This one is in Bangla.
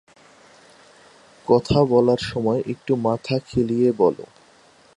কথা বলার সময় একটু মাথা-খেলিয়ে বলো।